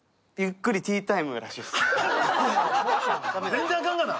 全然あかんがな！